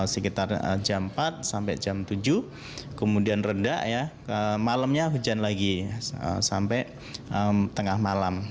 sekitar jam empat sampai jam tujuh kemudian rendah ya malamnya hujan lagi sampai tengah malam